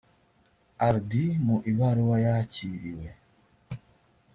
ardi mu ibaruwa yakiriwe